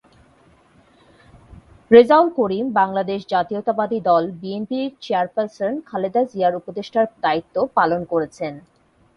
রেজাউল করিম বাংলাদেশ জাতীয়তা বাদী দল-বিএনপির চেয়ারপারসন খালেদা জিয়ার উপদেষ্টার দায়িত্ব পালন করেছেন।